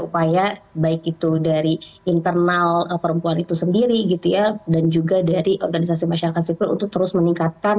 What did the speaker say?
upaya baik itu dari internal perempuan itu sendiri gitu ya dan juga dari organisasi masyarakat sipil untuk terus meningkatkan